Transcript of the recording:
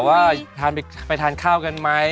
โทรมาแบบว่าไปทานข้าวกันไหม